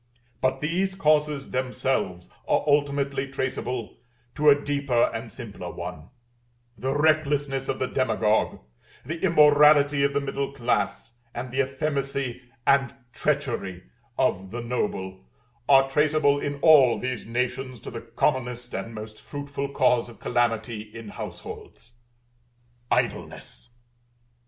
But these causes themselves are ultimately traceable to a deeper and simpler one: the recklessness of the demagogue, the immorality of the middle class, and the effeminacy and treachery of the noble, are traceable in all these nations to the commonest and most fruitful cause of calamity in households idleness.